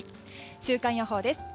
週間予報です。